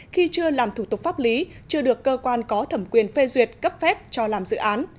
khi chưa làm thủ tục pháp lý chưa được cơ quan có thẩm quyền phê duyệt cấp phép cho làm dự án